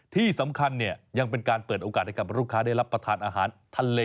ที่สำคัญยังเป็นการเปิดโอกาสให้กับลูกค้าได้รับประทานอาหารทะเล